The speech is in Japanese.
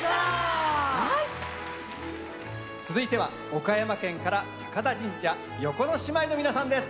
続いては岡山県から高田神社横野獅子舞の皆さんです。